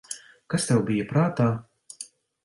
Kas tev bija prātā?